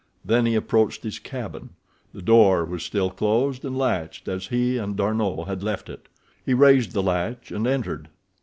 Then he approached his cabin. The door was still closed and latched as he and D'Arnot had left it. He raised the latch and entered.